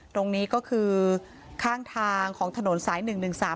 ตรงนี้ก็คือข้างทางของถนนสายหนึ่งหนึ่งสาม